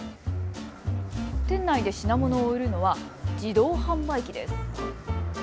店内で品物を売るのは自動販売機です。